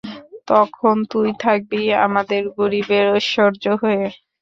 তখন তুই থাকবি আমাদের গরিবের ঐশ্বর্য হয়ে।